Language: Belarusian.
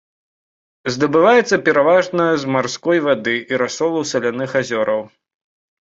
Здабываецца пераважна з марской вады і расолаў саляных азёраў.